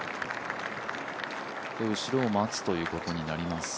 後ろを待つということになります。